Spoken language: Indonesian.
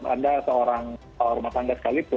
anda seorang rumah tangga sekalipun